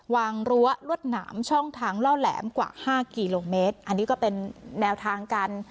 รั้วรวดหนามช่องทางล่อแหลมกว่า๕กิโลเมตรอันนี้ก็เป็นแนวทางการ